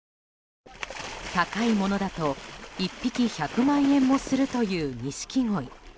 高いものだと１匹１００万円もするというニシキゴイ。